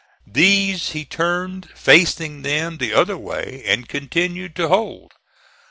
These he turned, facing them the other way, and continued to hold.